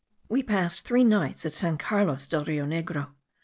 We passed three nights at San Carlos del Rio Negro.